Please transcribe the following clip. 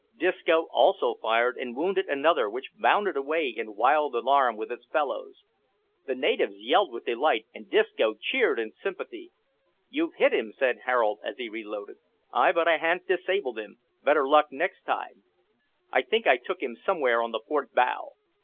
Disco also fired and wounded another, which bounded away in wild alarm with its fellows. The natives yelled with delight, and Disco cheered in sympathy. "You've hit him," said Harold, as he reloaded. "Ay, but I han't disabled him. Better luck next time. I think I took him somewhere on the port bow."